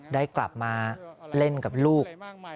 ได้กลับมาเล่นกับลูก